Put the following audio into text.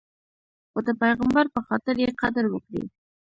خو د پیغمبر په خاطر یې قدر وکړئ.